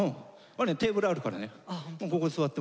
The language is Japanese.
テーブルあるからねここ座ってもらって。